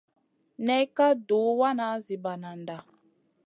Nay ka duhw wana zi banada.